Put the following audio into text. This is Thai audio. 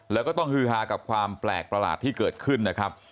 แล้วก็ต้องฮือฮากับความแปลกประหลาดที่เกิดขึ้นนะครับ